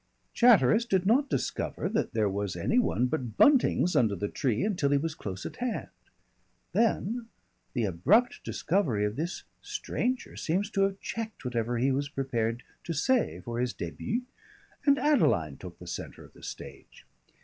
Chatteris did not discover that there was any one but Buntings under the tree until he was close at hand. Then the abrupt discovery of this stranger seems to have checked whatever he was prepared to say for his début, and Adeline took the centre of the stage.